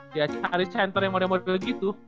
dari center yang udah udah gitu